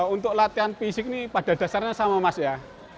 untuk latihan fisik ini pada dasarnya sama mas ya